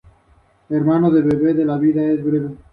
Depuesto, se rebeló, fue capturado y encarcelado.